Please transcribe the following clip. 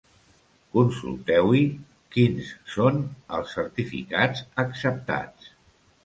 Consulteu-hi quins són els certificats acceptats.